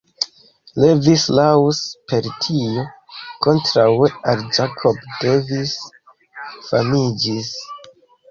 Levi Strauss per tio, kontraŭe al Jacob Davis, famiĝis.